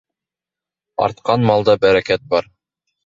Артҡан малда бәрәкәт бар.